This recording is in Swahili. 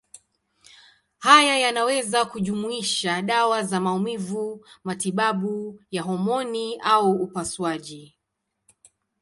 Haya yanaweza kujumuisha dawa za maumivu, matibabu ya homoni au upasuaji.